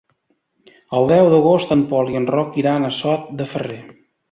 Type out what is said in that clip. El deu d'agost en Pol i en Roc iran a Sot de Ferrer.